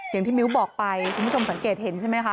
มิ้วบอกไปคุณผู้ชมสังเกตเห็นใช่ไหมคะ